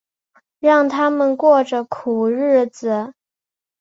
让他们过着苦日子